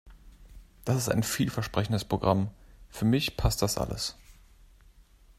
Das ist ein vielversprechendes Programm. Für mich passt das alles.